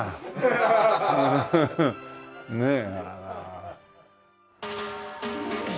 ねえ。